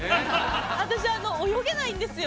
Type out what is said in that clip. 私泳げないんですよ。